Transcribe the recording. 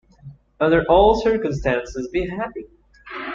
Under all circumstances be happy.